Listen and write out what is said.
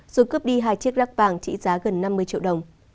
rồi cướp đi hai chiếc lắc vàng trị giá gần năm mươi triệu đồng